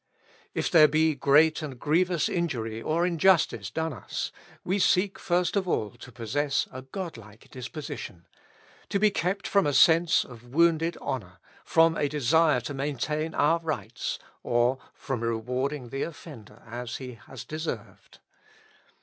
If there be great and grievous injury or injustice done us, we seek first of all to possess a Godlike disposition ; to be kept from a sense of wounded honor, from a desire to maintain our rights, or from rewarding the offender as he has deserved.